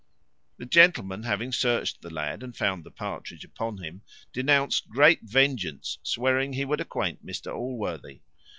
The gentleman having searched the lad, and found the partridge upon him, denounced great vengeance, swearing he would acquaint Mr Allworthy.